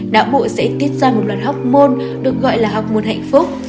đạo bụ sẽ tiết ra một loạt học môn được gọi là học môn hạnh phúc